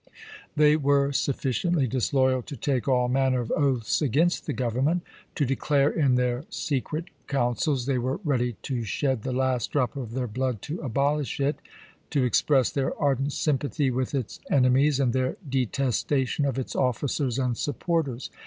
They were sufficiently disloyal to take all manner of oaths against the Government; to declare in their secret councils they were ready to shed the last drop of their blood to abolish it; to express their ardent sympathy with its enemies, and their detestation of its officers and supporters.